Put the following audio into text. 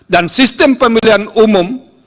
dan sistem pemilihan umum